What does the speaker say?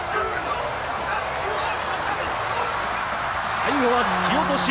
最後は突き落とし。